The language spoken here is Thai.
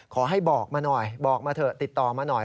ขอให้บอกมาหน่อยบอกมาเถอะติดต่อมาหน่อย